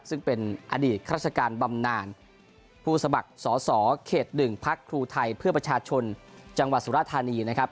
ซึ่งเป็นอดีตข้าราชการบำนานผู้สมัครสอสอเขต๑พักครูไทยเพื่อประชาชนจังหวัดสุรธานีนะครับ